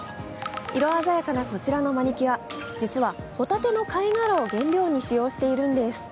色鮮やかなこちらのマニキュア、実はホタテの貝殻を原料に使用しているんです。